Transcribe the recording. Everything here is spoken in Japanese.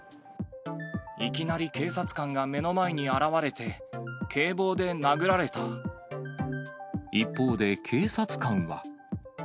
いきなり警察官が目の前に現れて、一方で警察官は。